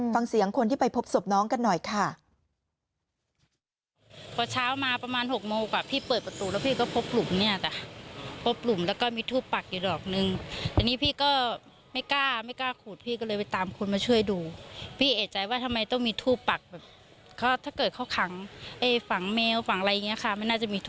ฟังเสียงคนที่ไปพบศพน้องกันหน่อยค่ะ